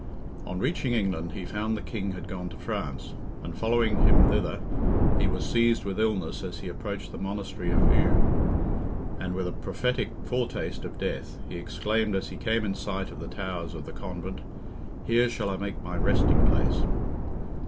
On reaching England, he found the king had gone to France, and following him thither, he was seized with illness as he approached the Monastery of Eu, and with a prophetic foretaste of death, he exclaimed as he came in sight of the towers of the Convent, "Here shall I make my resting place."